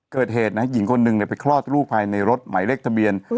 เกิดเหตุนะฮะหญิงคนหนึ่งไปคลอดลูกภายในรถหมายเลขทะเบียน